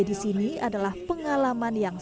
di sini adalah pengalaman yang